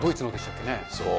そう。